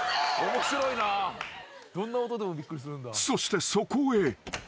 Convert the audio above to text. ［そしてそこへ］